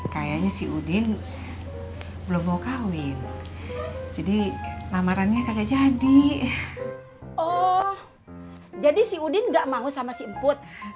kayaknya si udin belum mau kawin jadi lamarannya kayak jadi oh jadi si udin gak mau sama si emput